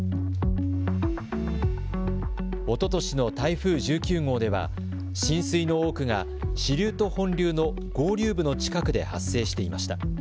おととしの台風１９号では浸水の多くが支流と本流の合流部の近くで発生していました。